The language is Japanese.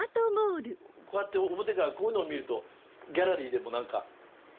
こうやって表からこういうのを見るとギャラリーでも何か。